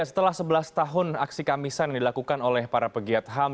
setelah sebelas tahun aksi kamisan yang dilakukan oleh para pegiat ham